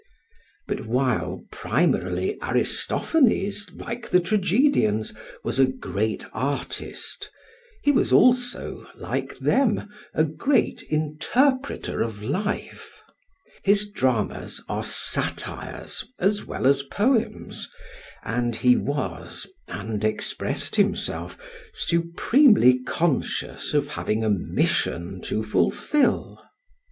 But while primarily Aristophanes, like the tragedians, was a great artist, he was also, like them, a great interpreter of life. His dramas are satires as well as poems, and he was and expressed himself supremely conscious of having a "mission" to fulfil.